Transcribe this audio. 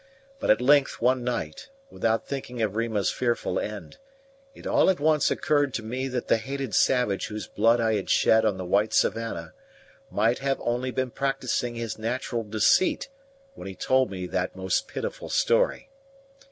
But at length, one night, without thinking of Rima's fearful end, it all at once occurred to me that the hated savage whose blood I had shed on the white savannah might have only been practicing his natural deceit when he told me that most pitiful story.